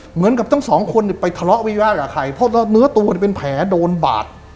เหมือนกับทั้งสองคนเนี่ยไปทะเลาะวิวาสกับใครเพราะเนื้อตัวเป็นแผลโดนบาด